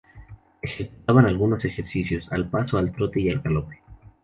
Ejecutaban algunos ejercicios al paso, al trote y al galope".